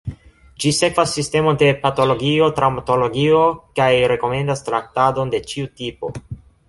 Ĝi sekvas sistemon de patologio-traŭmatologio kaj rekomendas traktadon de ĉiu tipo.